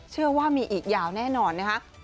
เชื่อว่ามีอีกยาวแน่นอนนะคะ